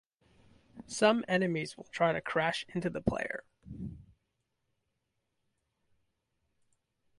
Some enemies will try to crash into the player.